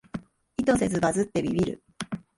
意図せずバズってビビる